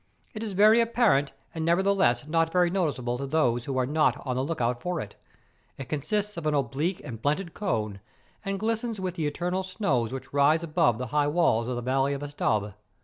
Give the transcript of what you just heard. It is very apparent and nevertheless not very noticeable to those who are not on the look out for it. It consists of an ' oblique and blunted cone, and glistens with the eternal snows which rise above the high walls of the valley of Estaube.